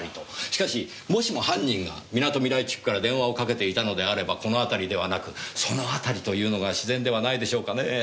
しかしもしも犯人がみなとみらい地区から電話をかけていたのであればこの辺りではなく「その辺り」と言うのが自然ではないでしょうかねえ。